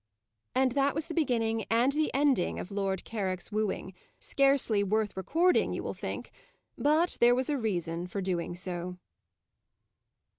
And that was the beginning and the ending of Lord Carrick's wooing. Scarcely worth recording, you will think. But there was a reason for doing so.